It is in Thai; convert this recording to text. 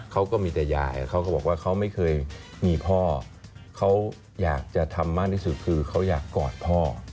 เขาก็มีแต่ยายเขาก็บอกว่าเขาไม่เคยมีพ่อเขาอยากจะทำมากที่สุดคือเขาอยากกอดพ่อ